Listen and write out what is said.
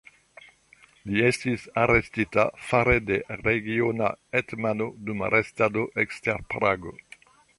Li estis arestita fare de regiona hetmano dum restado ekster Prago.